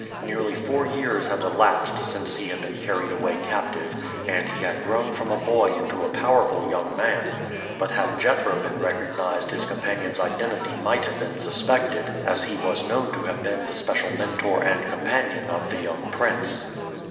Nearly four years had elapsed since he had been carried away captive, and he had grown from a boy into a powerful young man; but had Jethro been recognized his companion's identity might have been suspected, as he was known to have been the special mentor and companion of the young prince.